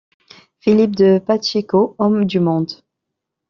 Philippe de Pacheco: homme du monde.